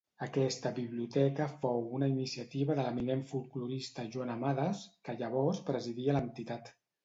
Aquesta biblioteca fou una iniciativa de l'eminent folklorista Joan Amades, que llavors presidia l'entitat.